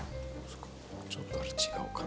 ちょっと違うかな？